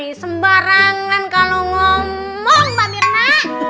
ini sembarangan kalau ngomong mbak mirna